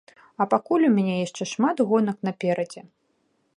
А пакуль у мяне яшчэ шмат гонак наперадзе.